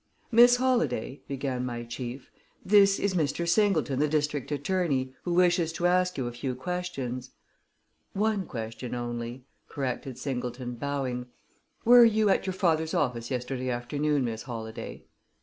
"Miss Holladay," began my chief, "this is Mr. Singleton, the district attorney, who wishes to ask you a few questions." "One question only," corrected Singleton, bowing. "Were you at your father's office yesterday afternoon, Miss Holladay?"